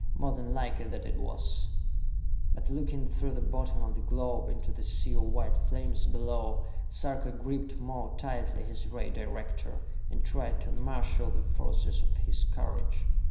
More than likely that was it. But, looking through the bottom of the globe, into the sea of white flames below, Sarka gripped more tightly his ray director, and tried to marshal the forces of his courage.